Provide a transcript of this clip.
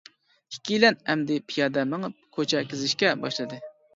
ئىككىيلەن ئەمدى پىيادە مېڭىپ كوچا كېزىشكە باشلىدى.